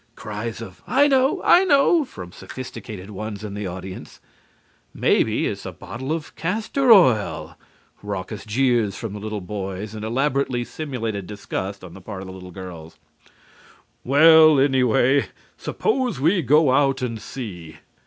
(Cries of "I know, I know!" from sophisticated ones in the audience). Maybe it is a bottle of castor oil! (Raucous jeers from the little boys and elaborately simulated disgust on the part of the little girls.) Well, anyway, suppose we go out and see?